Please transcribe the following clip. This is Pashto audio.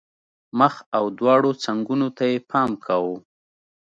مخ او دواړو څنګونو ته یې پام کاوه.